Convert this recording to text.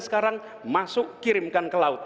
sekarang masuk kirimkan ke laut